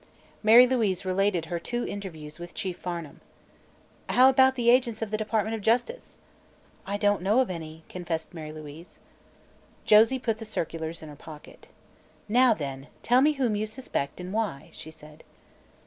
Mary Louise related her two interviews with Chief Farnum. "How about the agents of the department of justice?" "I don't know of any," confessed Mary Louise. Josie put the circulars in her pocket. "Now, then, tell me whom you suspect, and why," she said.